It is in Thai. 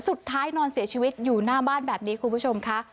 นอนเสียชีวิตอยู่หน้าบ้านแบบนี้คุณผู้ชมค่ะ